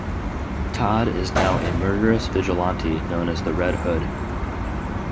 Todd is now a murderous vigilante known as the Red Hood.